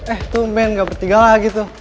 eh tumben gak bertiga lagi tuh